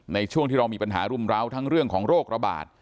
ในช่วงที่เรามีปัญหารุมร้าวทั้งเรื่องของโรคระบาด